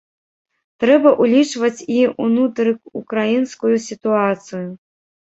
Трэба ўлічваць і ўнутрыўкраінскую сітуацыю.